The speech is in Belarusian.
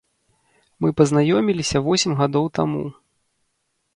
Мы пазнаёміліся восем гадоў таму.